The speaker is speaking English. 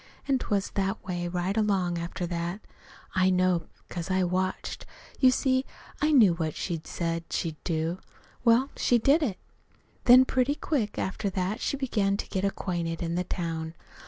An' 't was that way right along after that. I know, 'cause I watched. You see, I knew what she'd said she'd do. Well, she did it. "Then, pretty quick after that, she began to get acquainted in the town.